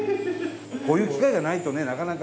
こういう機会がないとねなかなか。